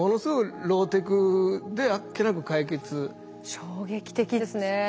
衝撃的ですね。